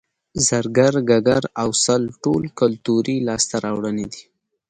زرګر ګګر او سل ټول کولتوري لاسته راوړنې دي